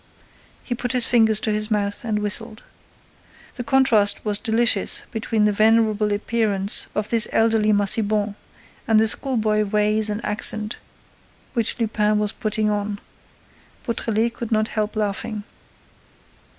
He put his fingers to his mouth and whistled. The contrast was delicious between the venerable appearance of this elderly Massiban and the schoolboy ways and accent which Lupin was putting on. Beautrelet could not help laughing.